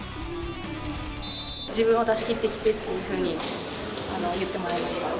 自分を出し切ってきてっていうふうに、言ってもらいました。